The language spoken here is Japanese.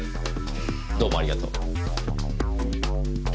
どうもありがとう。